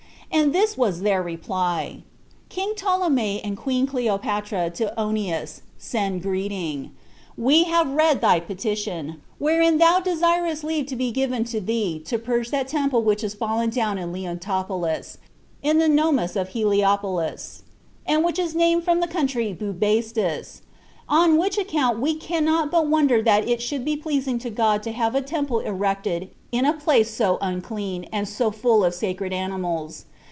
And this was their reply: "King Ptolemy and queen Cleopatra to Onias, send greeting. We have read thy petition, wherein thou desirest leave to be given thee to purge that temple which is fallen down at Leontopolis, in the Nomus of Heliopolis, and which is named from the country Bubastis; on which account we cannot but wonder that it should be pleasing to God to have a temple erected in a place so unclean, and so full of sacred animals.